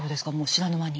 知らぬ間に。